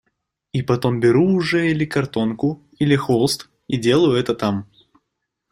И потом беру уже или картонку, или холст, и делаю это там.